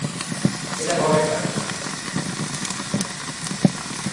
এটা কবেকার?